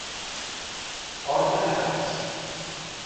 Orgue de gats.